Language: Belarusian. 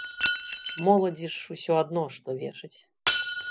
Моладзі ж усё адно, што вешаць.